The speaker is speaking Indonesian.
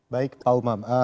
baik pak umar